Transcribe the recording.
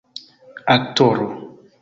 aktoro